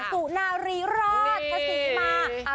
สุนารีราชคสิมา